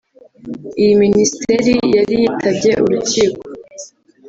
Iyi Minisiteri yari yitabye urukiko